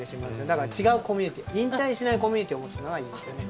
だから、違うコミュニティー引退しないコミュニティーを持つのがいいですよね。